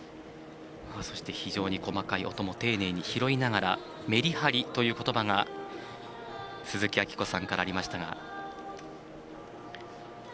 そして、非常に細かい音も丁寧に拾いながらメリハリということばが鈴木明子さんからありましたが。